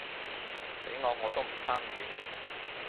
畀我我都唔參與